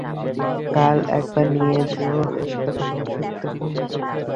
কাল একবার নিয়ে যেও হাসপাতালে, ওষুধ দেব।